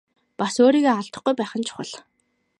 Бас өөрийгөө алдахгүй байх нь чухал.